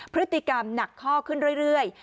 พฤติกรรมหนักข้อขึ้นเรื่อย